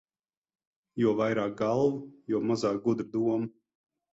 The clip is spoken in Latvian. Jo vairāk galvu, jo mazāk gudru domu.